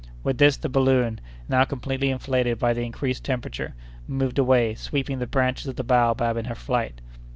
With this the balloon, now completely inflated by the increased temperature, moved away, sweeping the branches of the baobab in her flight.